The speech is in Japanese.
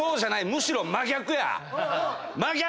むしろ真逆や！